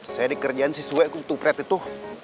saya dikerjain si suek kutupret itu